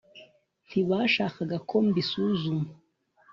ntibashakaga ko mbisuzuma